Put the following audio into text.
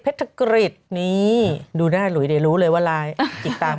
เพชรกริตนี่ดูหน้าหลุยเนี่ยรู้เลยว่ารายกิจตาขนาดไหน